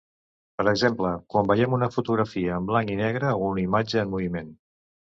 Per exemple, quan veiem una fotografia en blanc i negre o una imatge en moviment.